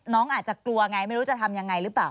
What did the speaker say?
น้องอาจจะกลัวไงไม่รู้จะทำยังไงหรือเปล่า